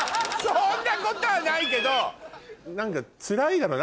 そんなことはないけど。